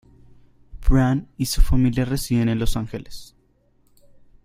Brandt y su familia residen en Los Ángeles.